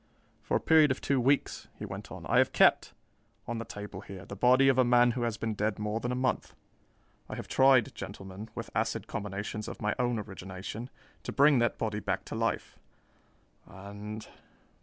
"For a period of two weeks," he went on, "I have kept, on the table here, the body of a man who has been dead more than a month. I have tried, gentlemen, with acid combinations of my own origination, to bring that body back to life. And